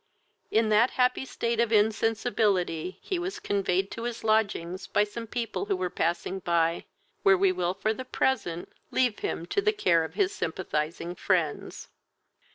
In that happy state of insensibility he was conveyed to his lodgings by some people who were passing by, where we will for the present leave him to the care of his sympathizing friends.